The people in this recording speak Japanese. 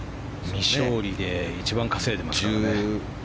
未勝利で一番稼いでますからね。